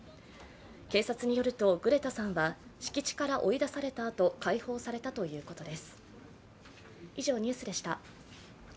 警察によるとグレタさんは敷地から追い出されたあと、解放されたということです。